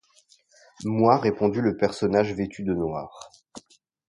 Moi, répondit le personnage vêtu de noir.